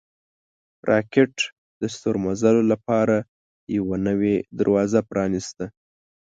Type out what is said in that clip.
راکټ د ستورمزلو لپاره یوه نوې دروازه پرانیسته